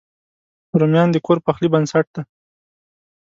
رومیان د کور پخلي بنسټ دی